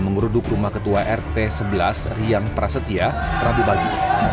meruduk rumah ketua rt sebelas rian prasetya rabu pagi